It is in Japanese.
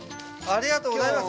ありがとうございます！